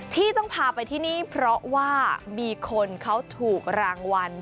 ที่ต้องพาไปที่นี่เพราะว่ามีคนเขาถูกรางวัล